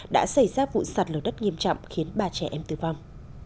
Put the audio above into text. đã xảy ra vụ sạt lở đất nghiêm trọng khiến ba trẻ em tử vong